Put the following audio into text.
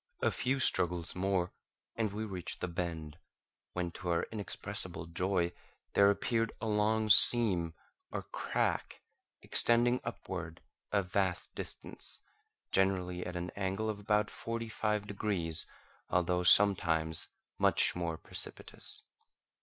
A few struggles more, and we reached the bend, when to our inexpressible joy, there appeared a long seam or crack extending upward a vast distance, generally at an angle of about forty five degrees, although sometimes much more precipitous.